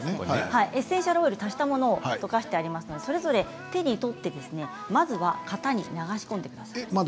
エッセンシャルオイルを足したものが溶かしてあるのでそれぞれ手に取って、まずは型に流し込んでください。